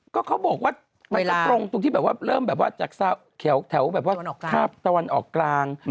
ก็เขาบอกว่ามันก็ตรงตรงที่แบบว่าเริ่มแบบว่าจากแถวแบบว่าภาพตะวันออกกลาง